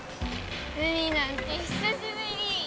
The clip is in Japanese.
海なんてひさしぶり。